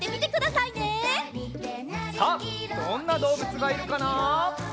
さあどんなどうぶつがいるかな？